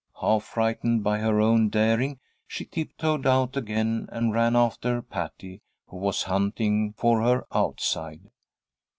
Half frightened by her own daring, she tiptoed out again, and ran after Patty, who was hunting for her outside.